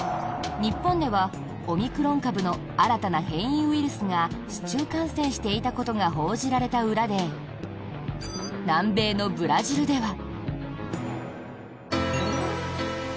日本では、オミクロン株の新たな変異ウイルスが市中感染していたことが報じられた裏で南米のブラジルでは。